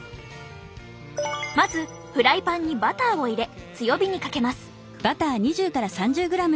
まずフライパンにバターを入れ強火にかけます。